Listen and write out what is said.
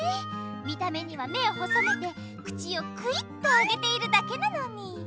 見た目には目を細めて口をクイッと上げているだけなのに。